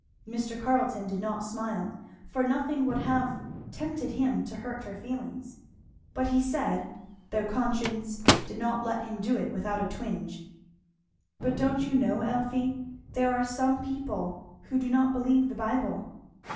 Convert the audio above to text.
Mr. Carleton did not smile, for nothing would have tempted him to hurt her feelings; but he said, though conscience did not let him do it without a twinge, "But don't you know, Elfie, there are some people who do not believe the Bible?"